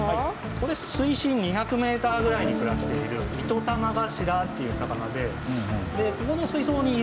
これ水深２００ｍぐらいに暮らしているイトタマバシラっていう魚でここの水槽に入れる前まではですね